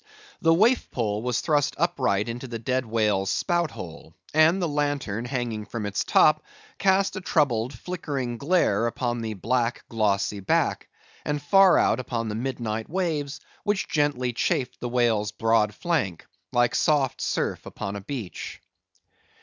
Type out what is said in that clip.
The waif pole was thrust upright into the dead whale's spout hole; and the lantern hanging from its top, cast a troubled flickering glare upon the black, glossy back, and far out upon the midnight waves, which gently chafed the whale's broad flank, like soft surf upon a beach.